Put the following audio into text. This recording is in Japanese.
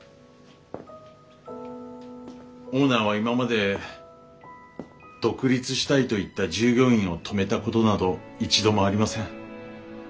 オーナーは今まで独立したいと言った従業員を止めたことなど一度もありません。